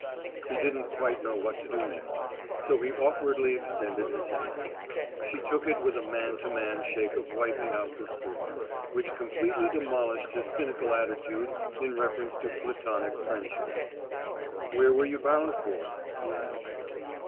He didn't quite know what to do next, so he awkwardly extended his hand. She took it with a man to man shake of wiping out the score, which completely demolished his cynical attitude in reference to platonic friendship. "Where were you bound for?" he asked.